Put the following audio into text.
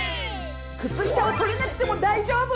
靴下をとれなくても大丈夫！